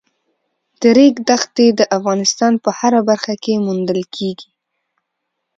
د ریګ دښتې د افغانستان په هره برخه کې موندل کېږي.